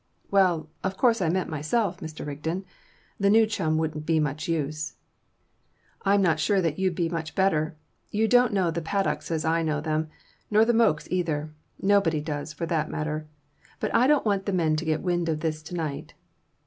"Well, of course I meant myself, Mr. Rigden. The new chum wouldn't be much use." "I'm not sure that you'd be much better. You don't know the paddocks as I know them, nor the mokes either. Nobody does, for that matter. But I don't want the men to get wind of this to night."